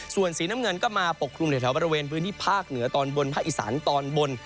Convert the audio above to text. ส่วนสีน้ำเงินก็มาปกคลุมในแถวบริเวณพื้นที่ภาคเหนือตอนบนภาคอีสานตอนบน